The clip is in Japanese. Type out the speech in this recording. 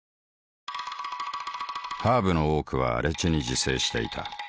ハーブの多くは荒地に自生していた。